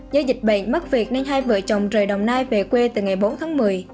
do dịch bệnh mất việc nên hai vợ chồng rời đồng nai về quê từ ngày bốn tháng một mươi